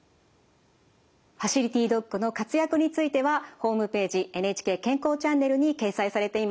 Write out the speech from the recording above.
ファシリティドッグの活躍についてはホームページ「ＮＨＫ健康チャンネル」に掲載されています。